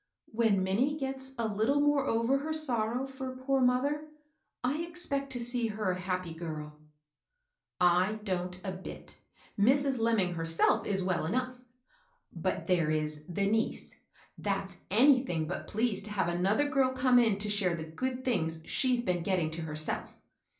When Minnie gets a little more over her sorrow for poor mother, I expect to see her a tappy girl." " /don't a bit. Mrs. Lemming herftelf is well enough ; but there is the niece, that's anything but pleased to have another girl come in to share the good things she's been getting to herself.